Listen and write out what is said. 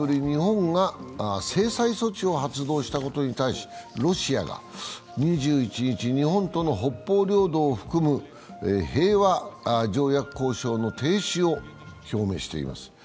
日本が制裁措置を発動したことに対し、ロシアが２１日、日本との北方領土を含む平和条約交渉の停止を表明しています。